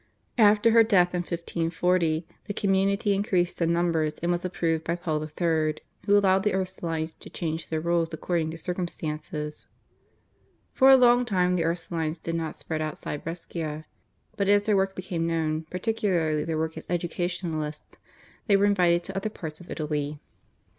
After her death in 1540 the community increased in numbers, and was approved by Paul III., who allowed the Ursulines to change their rules according to circumstances. For a long time the Ursulines did not spread outside Brescia, but as their work became known, particularly their work as educationalists, they were invited to other parts of Italy.